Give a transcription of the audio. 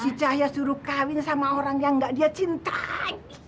si cahaya suruh kahwin sama orang yang nggak dia cintai